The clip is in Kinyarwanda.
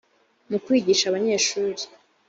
mu kwigisha abanyeshuri